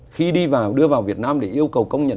khi đưa vào việt nam để yêu cầu công nhận